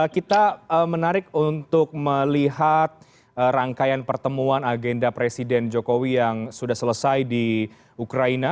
kita menarik untuk melihat rangkaian pertemuan agenda presiden jokowi yang sudah selesai di ukraina